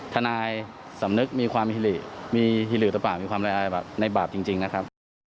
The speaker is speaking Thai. ทนายสำนึกมีความมีหิหิตปากมีความระยะใบบาปจริงนะครับ